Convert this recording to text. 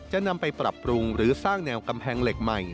จะนำไปปรับปรุงหรือสร้างแนวกำแพงเหล็กใหม่